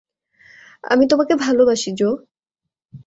আমি তোমাকে ভালোবাসি, জো।